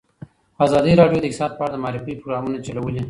ازادي راډیو د اقتصاد په اړه د معارفې پروګرامونه چلولي.